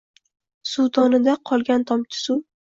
Suvdonida qolgan tomchi suv.